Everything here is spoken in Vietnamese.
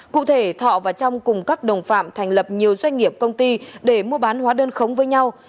cụ thể thọ và trong cùng các đồng phạm thành lập nhiều doanh nghiệp công ty để mua bán hóa đơn khống với nhau